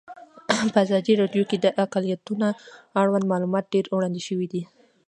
په ازادي راډیو کې د اقلیتونه اړوند معلومات ډېر وړاندې شوي.